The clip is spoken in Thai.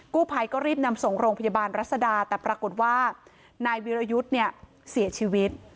กู้ภัยก็รีบนำส่งโรงพยาบาลรัศดาแต่ปรากฏว่านายวิรยุทธ์เนี่ยเสียชีวิต